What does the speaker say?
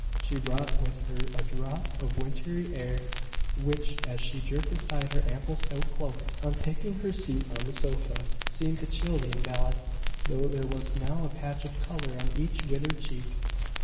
She brought with her a draught of wintry air, which, as she jerked aside her ample silk cloak, on taking her seat on the sofa, seemed to chill the invalid, though there was now a patch of colour on each withered cheek.